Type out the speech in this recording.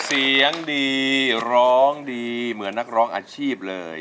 เสียงดีร้องดีเหมือนนักร้องอาชีพเลย